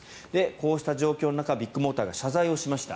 こうした状況の中ビッグモーターが謝罪をしました。